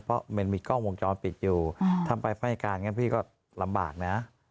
เพราะมันมีกล้องวงจรปิดอยู่ทำไปไฟการอย่างนี้พี่ก็ลำบากนะ